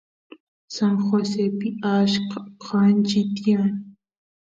San Josepi achka kachi tiyan